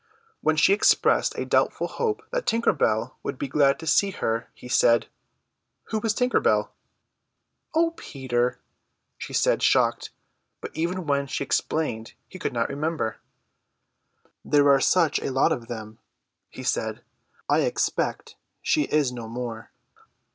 When she expressed a doubtful hope that Tinker Bell would be glad to see her he said, "Who is Tinker Bell?" "O Peter," she said, shocked; but even when she explained he could not remember. "There are such a lot of them," he said. "I expect she is no more."